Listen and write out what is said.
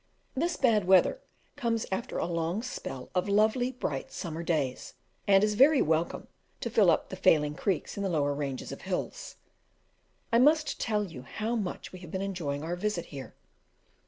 This bad weather comes after a long spell of lovely bright summer days, and is very welcome to fill up the failing creeks in the lower ranges of hills. I must tell you how much we have been enjoying our visit here.